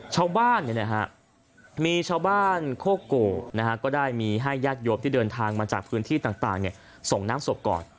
ชาวบ้านเนี่ยนะฮะมีชาวบ้านโคโกนะฮะก็ได้มีให้ญาติโยบที่เดินทางมาจากพื้นที่ต่างเนี่ยส่งน้ำศพก่อน